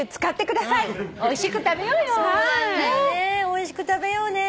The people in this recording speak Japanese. おいしく食べようね。